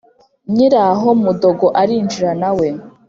nkiraho mudogo arinjira nawe